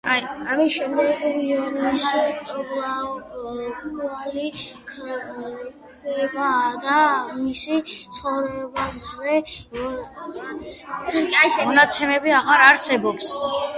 ამის შემდეგ ვიიონის კვალი ქრება და მის ცხოვრებაზე მონაცემები აღარ არსებობს.